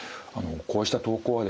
こうした投稿はですね